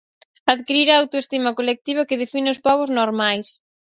Adquirir a autoestima colectiva que define os pobos normais.